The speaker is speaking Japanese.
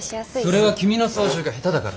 それは君の操縦が下手だからだ。